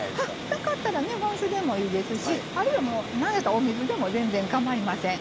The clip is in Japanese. なかったら日本酒でもいいですしあるいはもう何やったらお水でも全然かまいません。